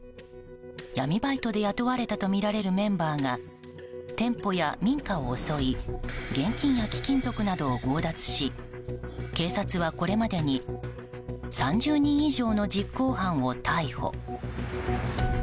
闇バイトで雇われたとみられるメンバーが店舗や民家を襲い現金や貴金属などを強奪し警察は、これまでに３０人以上の実行犯を逮捕。